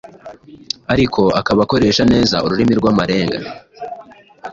ariko akaba akoresha neza ururimi rw’amarenga.